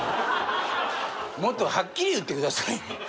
もっとはっきり言ってください。